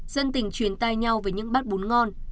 dân tình chuyển tay nhau về những bát bún ngon